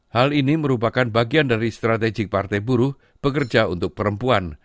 hal ini merupakan bagian dari strategi partai buruh pekerja untuk perempuan